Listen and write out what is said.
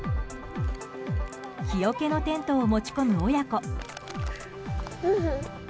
日よけのテントを持ち込む親子。